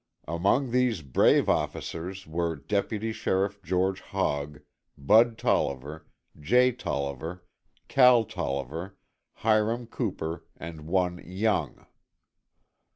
Among these brave officers were Deputy Sheriff George Hogg, Bud Tolliver, Jay Tolliver, Cal Tolliver, Hiram Cooper and one Young.